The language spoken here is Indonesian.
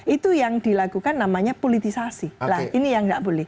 itu yang dilakukan namanya politisasi nah ini yang tidak boleh